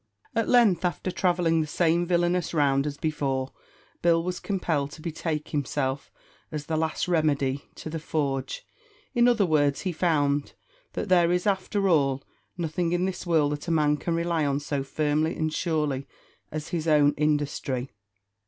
At length, after travelling the same villainous round as before, Bill was compelled to betake himself, as the last remedy, to the forge; in other words, he found that there is, after all, nothing in this world that a man can rely on so firmly and surely as his own industry.